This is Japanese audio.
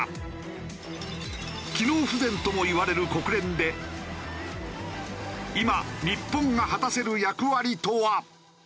機能不全ともいわれる国連で今日本が果たせる役割とは？